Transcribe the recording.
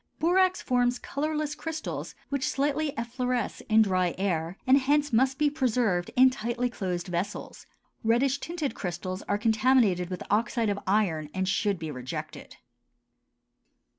Borax forms colorless crystals which slightly effloresce in dry air and hence must be preserved in tightly closed vessels. Reddish tinted crystals are contaminated with oxide of iron and should be rejected.